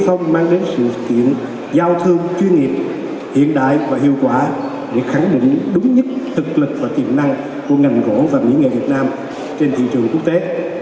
không mang đến sự kiện giao thương chuyên nghiệp hiện đại và hiệu quả để khẳng định đúng nhất thực lực và tiềm năng của ngành gỗ và mỹ nghệ việt nam trên thị trường quốc tế